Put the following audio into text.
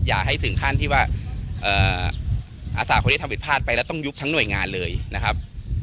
อย่าให้ถึงขั้นที่ว่าอาสาคนที่ทำผิดพลาดไปแล้วต้องยุบทั้งหน่วยงานเลยนะครับ